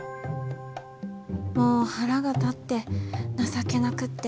もう腹が立って情けなくって。